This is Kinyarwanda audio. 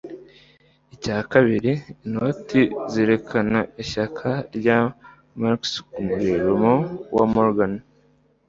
Icya kabiri, inoti zerekana ishyaka rya Marx ku murimo wa Morgan